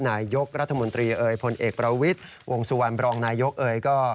นายกรัฐมนตรีเอ่ยพลเอกประวิทย์วงสุวรรณบรองนายกเอยก็